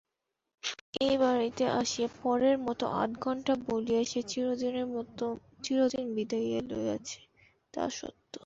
এ বাড়িতে আসিয়া পরের মতো আধঘণ্টা বলিয়া সে চিরদিন বিদায় লইয়াছে, তা সত্য।